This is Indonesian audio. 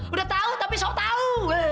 udah tahu tapi sok tahu